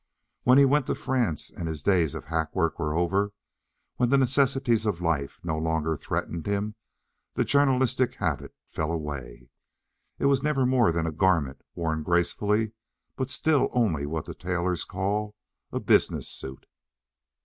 When he went to France and his days of hack work were over, when the necessities of life no longer threatened him, the journalistic habit fell away. It was never more than a garment, worn gracefully, but still only what the tailors call a business suit.